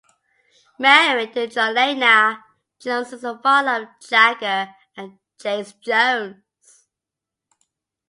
Married to Jolaina, Jones is the father of Jagger and Jace Jones.